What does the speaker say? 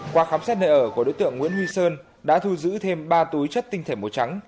qua khám xét nơi ở của đối tượng nguyễn huy sơn đã thu giữ thêm ba túi chất tinh thể màu trắng